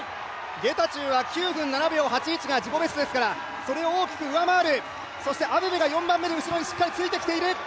ゲタチューは９分７秒８１が自己ベストですからそれを大きく上回る、アベベが４番目にしっかりつけている。